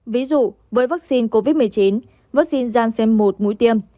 ví dụ với vaccine covid một mươi chín vaccine gian xem một mũi tiêm